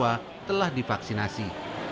yang sudah di vaksinasi